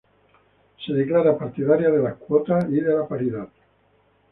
Se declara partidaria de las cuotas y de la paridad.